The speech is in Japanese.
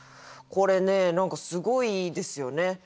これね何かすごいいいですよね。